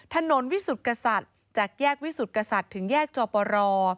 ถนนวิสุทธิ์กษัตริย์จากแยกวิสุทธิกษัตริย์ถึงแยกจอปร